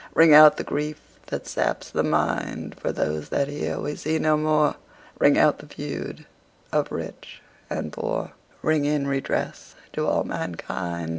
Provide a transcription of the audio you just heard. Ring out the grief that saps the mind, For those that here we see no more, Ring out the feud of rich and poor, Ring in redress to all mankind.